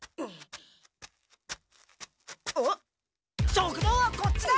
食堂はこっちだ！